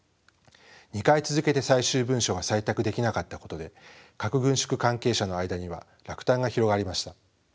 ２回続けて最終文書が採択できなかったことで核軍縮関係者の間には落胆が広がりました。